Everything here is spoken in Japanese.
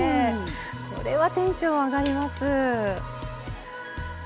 これはテンション上がります。